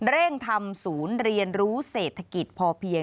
เร่งทำศูนย์เรียนรู้เศรษฐกิจพอเพียง